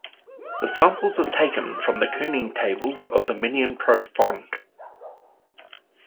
The samples are taken from the kerning tables of the Minion Pro font.